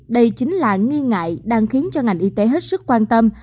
đây chính là nghi ngại đang khiến cho ngành y tế hết sức quan tâm